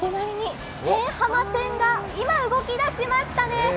お隣の天浜線が今、動き出しましたね。